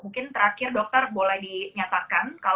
mungkin terakhir dokter boleh dinyatakan